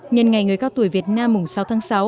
nhân ngày người cao tuổi việt nam sáu tháng sáu